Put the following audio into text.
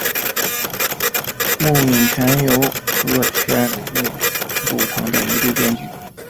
木皿泉由和泉努组成的一对编剧。